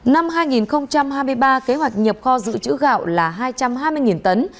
năm hai nghìn hai mươi ba kế hoạch nhập kho dự trữ gạo là hai trăm hai mươi tấn